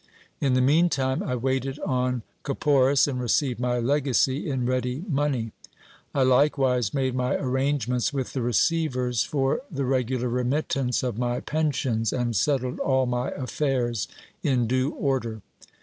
In the mean time, I waited on Ca poris, and received my legacy in ready money. I likewise made my arrange ments with the receivers for the regular remittance of my pensions, and settled all my affairs in due order.